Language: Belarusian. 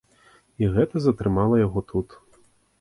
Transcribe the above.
І гэта затрымала яго тут.